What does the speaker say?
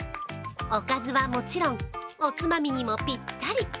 おかずはもちろん、おつまみにもピッタリ。